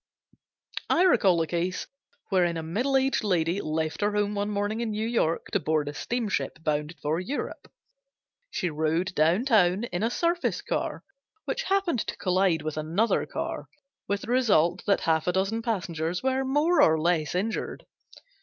I recall a case wherein a middle aged lady left her home one morning in New York to board a steamship bound for Europe. She rode down town in a surface car which happened to collide with another car, with the result that half a dozen passengers were more or less injured.